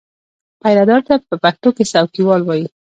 پیرهدار ته په پښتو کې څوکیوال وایي.